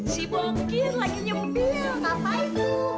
si bogir lagi nyempil apa itu